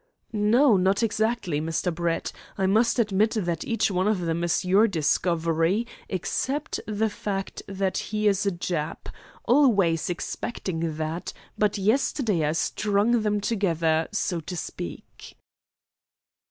"No, not exactly, Mr. Brett. I must admit that each one of them is your discovery, except the fact that he is a Jap always excepting that but yesterday I strung them together, so to speak."